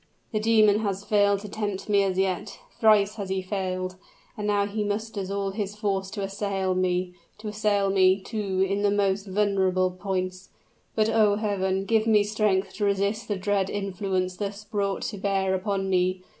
"The demon has failed to tempt me as yet thrice has he failed; and now he musters all his force to assail me, to assail me, too, in the most vulnerable points! But, O Heaven, give me strength to resist the dread influence thus brought to bear upon me!